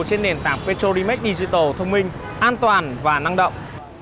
trên nền tảng petrolimax digital thông minh an toàn và năng động